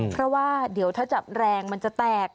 เพราะว่าเดี๋ยวถ้าจับแรงมันจะแตก